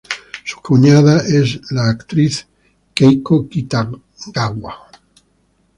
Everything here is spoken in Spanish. Su cuñada es la actriz Keiko Kitagawa.